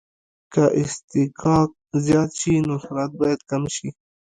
که اصطکاک زیات شي نو سرعت باید کم شي